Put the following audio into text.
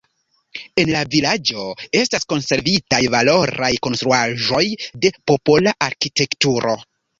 En la vilaĝo estas konservitaj valoraj konstruaĵoj de popola arkitekturo.